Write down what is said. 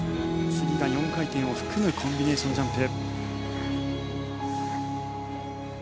次が４回転を含むコンビネーションジャンプ。